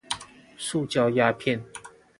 塑膠鴉片